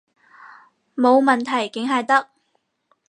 冇問題，梗係得